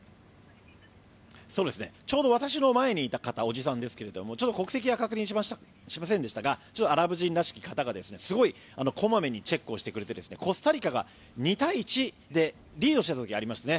ちょうど私の前にいた方おじさんでしたが国籍は確認しませんでしたがアラブ人らしき方がすごいこまめにチェックをしてくれてコスタリカが２対１でリードした時ありましたね。